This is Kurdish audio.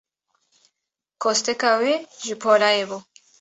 Kosteka wê, ji polayê bû.